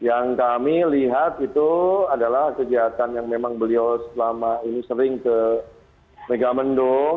yang kami lihat itu adalah kegiatan yang memang beliau selama ini sering ke megamendung